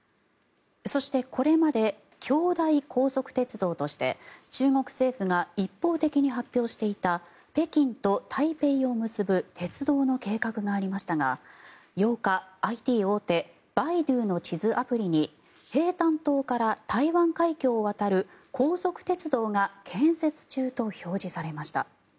そして、これまで京台高速鉄道として中国政府が一方的に発表していた北京と台北を結ぶ鉄道の計画がありましたが８日ＩＴ大手バイドゥの地図アプリに平潭島から台湾海峡を渡る高速鉄道が建設中と表示されました。